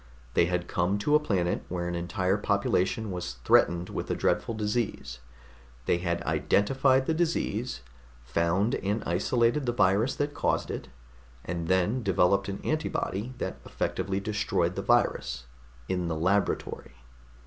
They had come to a planet where an entire population was threatened with a dreadful disease. They had identified the disease, found and isolated the virus that caused it, and then developed an antibody that effectively destroyed the virus in the laboratory.